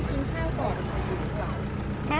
กินข้าวขอบคุณครับ